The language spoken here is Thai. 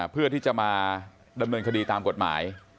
เพื่อที่จะมาดำเนินคดีตามกฎหมาย